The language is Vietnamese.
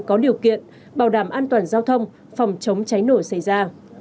có điều kiện bảo đảm an toàn giao thông phòng chống cháy nổ xảy ra